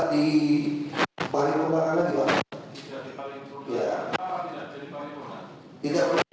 di pembangunan juga